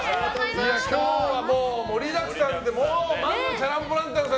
今日は盛りだくさんでまずチャラン・ポ・ランタンさん。